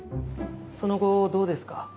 その後どうですか？